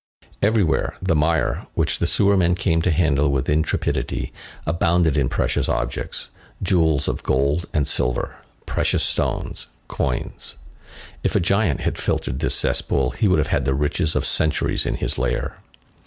Everywhere, the mire, which the sewermen came to handle with intrepidity, abounded in precious objects, jewels of gold and silver, precious stones, coins. If a giant had filtered this cesspool, he would have had the riches of centuries in his lair.